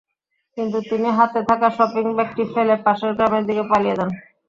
কিন্তু তিনি হাতে থাকা শপিং ব্যাগটি ফেলে পাশের গ্রামের দিকে পালিয়ে যান।